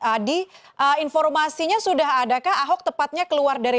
adi informasinya sudah adakah ahok tepatnya keluar dari